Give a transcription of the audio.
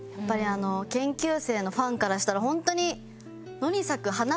研究生のファンからしたら本当に。